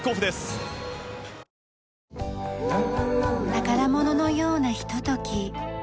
宝物のようなひととき。